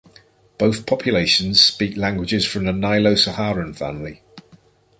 Both populations speak languages from the Nilo-Saharan family.